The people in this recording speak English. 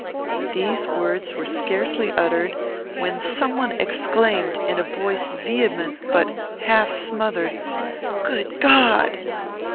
These words were scarcely uttered, when some one exclaimed, in a voice vehement but half smothered, "Good God!"